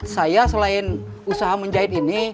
saya selain usaha menjahit ini